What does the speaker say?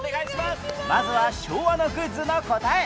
まずは昭和のグッズの答え